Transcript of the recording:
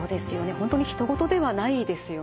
本当にひと事ではないですよね。